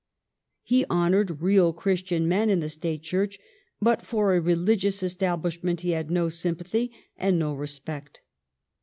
He honored real Chris tian men in the State Church, but for a religious establishment he had no sympathy and no respect.